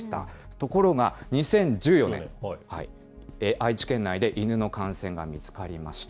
ところが、２０１４年、愛知県内で犬の感染が見つかりました。